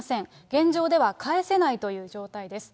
現状では返せないという状態です。